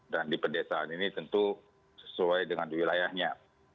dan di pedesaan ini tentu sesuai dengan wilayahnya